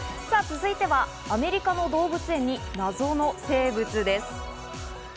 続いては、アメリカの動物園に謎の生物です。